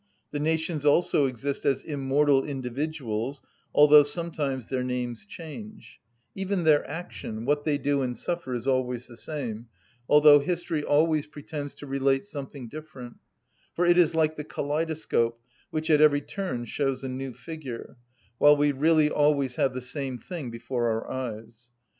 The nations also exist as immortal individuals, although sometimes their names change; even their action, what they do and suffer, is always the same; although history always pretends to relate something different: for it is like the kaleidoscope, which at every turn shows a new figure, while we really always have the same thing before our eyes.